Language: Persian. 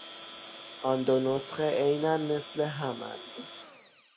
آن دو نسخه عینا مثل هماند.